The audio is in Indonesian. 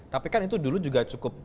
tapi kan itu dulu juga cukup